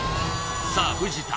さあ藤田